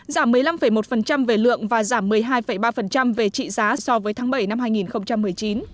giảm một mươi năm một về lượng và giảm một mươi hai ba về trị giá so với tháng bảy năm hai nghìn một mươi chín